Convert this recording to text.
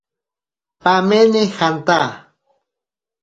Pamene janta.